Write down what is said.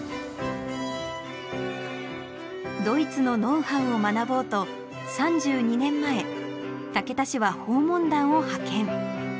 ドイツのノウハウを学ぼうと３２年前竹田市は訪問団を派遣。